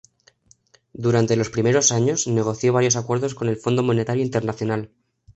Durante los primeros años, negoció varios acuerdos con el Fondo Monetario Internacional.